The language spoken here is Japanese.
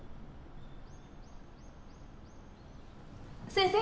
先生